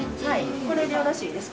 これでよろしいですか？